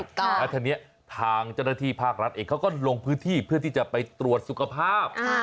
แล้วทีนี้ทางเจ้าหน้าที่ภาครัฐเองเขาก็ลงพื้นที่เพื่อที่จะไปตรวจสุขภาพ